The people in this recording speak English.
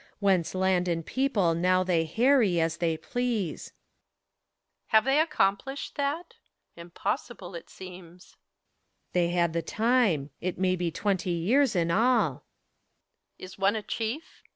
ACT III, 151 Whence land and people now they harry, as they please. ^ HELEKA. Have they accomplished thatT Impossible it seems. PHORKYAS. They had the time : it may be twenty years, in all. HELENA. Is one a Chief?